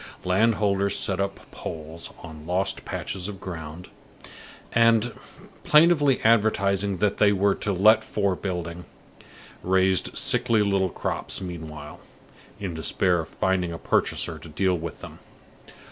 Land holders set up poles on lost patches of ground, and, plaintively advertising that they were to let for building, raised sickly little crops meanwhile, in despair of finding a purchaser to deal with them.